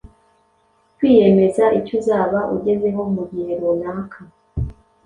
Kwiyemeza icyo uzaba ugezeho mu gihe runaka;